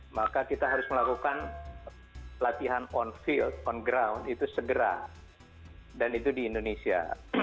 maka kita harus melakukan latihan onfield on ground itu segera dan itu di indonesia